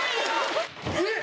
えっ？